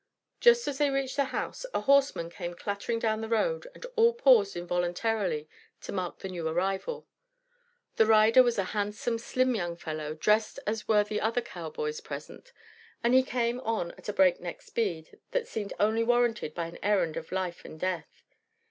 Just as they reached the house a horseman came clattering down the road and all paused involuntarily to mark the new arrival. The rider was a handsome, slim young fellow, dressed as were the other cowboys present, and he came on at a breakneck speed that seemed only warranted by an errand of life and death.